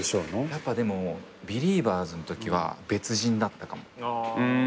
やっぱでも『ビリーバーズ』のときは別人だったかも。